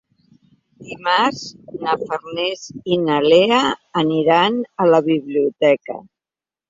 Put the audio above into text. Dimarts na Farners i na Lea aniran a la biblioteca.